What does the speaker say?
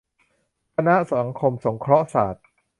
คณะสังคมสงเคราะห์ศาสตร์